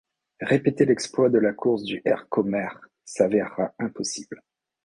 Répéter l'exploit de la course du Herkomer s'avéra impossible.